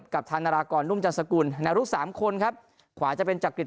กับธานรกรรุมจัสกุลในลูกสามคนครับขวาจะเป็นจักริต